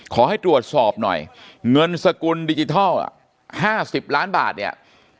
ขอให้ตรวจสอบหน่อยเงินสกุลดิจิทัล๕๐ล้านบาทเนี่ย